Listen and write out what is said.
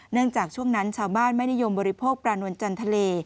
จากช่วงนั้นชาวบ้านไม่นิยมบริโภคปลานวลจันทะเล